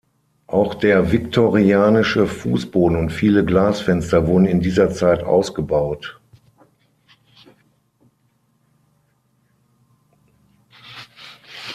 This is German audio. Auch der viktorianische Fußboden und viele Glasfenster wurden in dieser Zeit ausgebaut.